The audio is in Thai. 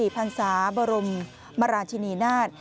พันศาบรมราชินีนาฏ